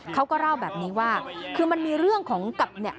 เขาก็เล่าแบบนี้ว่าคือมันมีเรื่องของกับเนี่ย